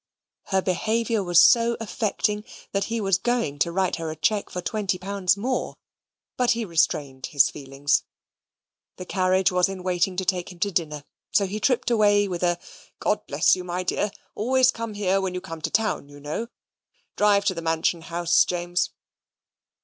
Her behaviour was so affecting that he was going to write her a cheque for twenty pounds more; but he restrained his feelings: the carriage was in waiting to take him to dinner, so he tripped away with a "God bless you, my dear, always come here when you come to town, you know. Drive to the Mansion House, James."